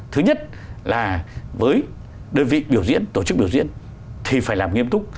thứ nhất là với đơn vị biểu diễn tổ chức biểu diễn thì phải làm nghiêm túc